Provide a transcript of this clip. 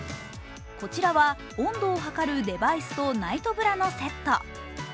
こちらは温度をはかるデバイスとナイトブラのセット。